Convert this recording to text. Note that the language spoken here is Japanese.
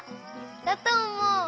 だとおもう。